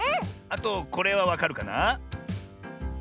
あとこれはわかるかな？